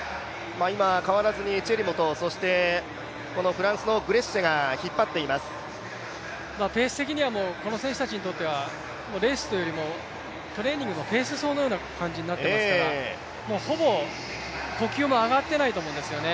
今、変わらずにチェリモとフランスのグレッシエがペース的にはこの選手たちにとってはレースというよりもトレーニングのペース走みたいになっていますからほぼ呼吸も上がってないと思うんですよね。